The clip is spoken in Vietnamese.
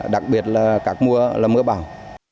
đặc biệt là các mưa bão